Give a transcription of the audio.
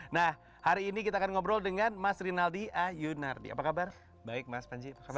nah hari ini kita akan ngobrol dengan mas rinaldi a yunardi apa kabar baik mas panji